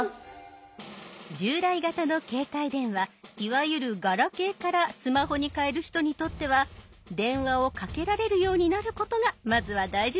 従来型の携帯電話いわゆるガラケーからスマホに替える人にとっては電話をかけられるようになることがまずは大事ですよね。